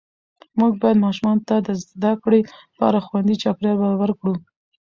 موږ باید ماشومانو ته د زده کړې لپاره خوندي چاپېریال برابر کړو